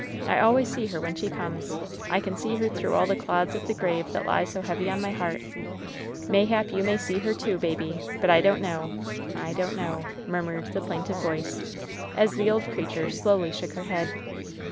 I always see her when she comes. I can see her through all the clods of the grave that lie so heavy on my heart Mayhap you may see her, too, baby ; but 1 don't know, I don't know," murmured the plain tive voice, as the old creature slowly shook her head.